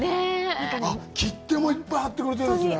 切手もいっぱい貼ってくれてるんですね。